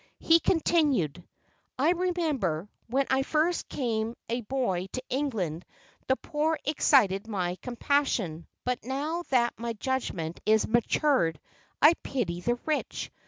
He continued: "I remember, when I first came a boy to England, the poor excited my compassion; but now that my judgment is matured, I pity the rich.